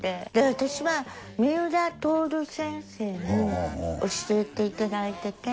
私は三浦亨先生に教えていただいてて。